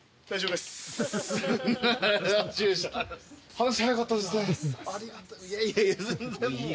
話早かったですね。